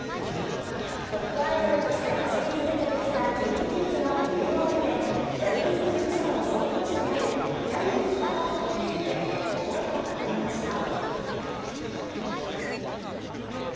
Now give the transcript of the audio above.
トップアイドルとして走り続けてきたＫｉｎＫｉＫｉｄｓの生みの親でジャニーズ事務所の創業者であるジャニー喜多川さんについて思いを語りました。